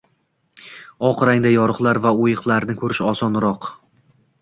Oq rangda yoriqlar va oʻyiqlarni ko'rish osonroq